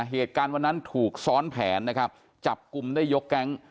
เหตุการณ์วันนั้นถูกซ้อนแผนนะครับจับกลุ่มได้ยกแก๊ง